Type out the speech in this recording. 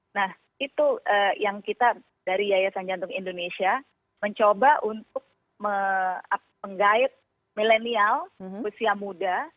nah itu yang kita dari yayasan jantung indonesia mencoba untuk menggait milenial usia muda